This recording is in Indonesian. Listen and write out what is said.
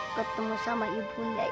ketemu sama ibunya